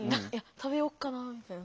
「食べよっかな」みたいな。